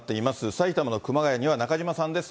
埼玉の熊谷には中島さんです。